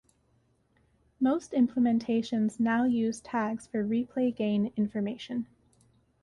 Most implementations now use tags for ReplayGain information.